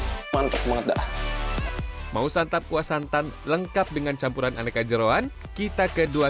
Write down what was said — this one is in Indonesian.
hai mantap banget dah mau santan kuah santan lengkap dengan campuran aneka jerawan kita kedua